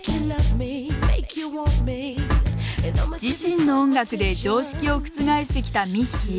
自身の音楽で常識を覆してきたミッシー。